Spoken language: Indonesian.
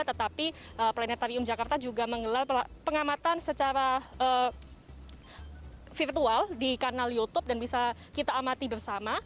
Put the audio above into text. tetapi planetarium jakarta juga menggelar pengamatan secara virtual di kanal youtube dan bisa kita amati bersama